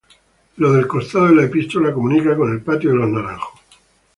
La del costado de la Epístola comunica con el Patio de los Naranjos.